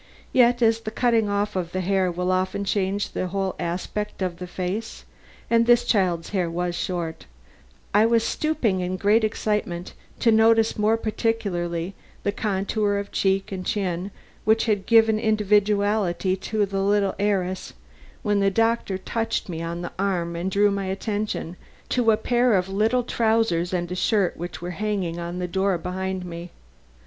Yet as the cutting off of the hair will often change the whole aspect of the face and this child's hair was short I was stooping in great excitement to notice more particularly the contour of cheek and chin which had given individuality to the little heiress, when the doctor touched me on the arm and drew my attention to a pair of little trousers and a shirt which were hanging on the door behind me.